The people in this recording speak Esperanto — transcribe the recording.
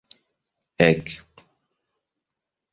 Ek!